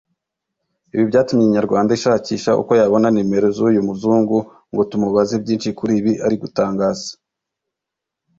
Ibi byatumye Inyarwanda ishakisha uko yabona nimero z’uyu muzungu ngo tumubaze byinshi kuri ibi ari gutangaza